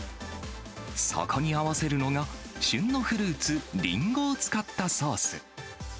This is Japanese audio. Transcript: そこに合わせるのが、旬のフルーツ、リンゴを使ったソース。